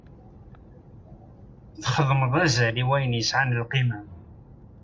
Txeddmeḍ azal i wayen yesɛan lqima.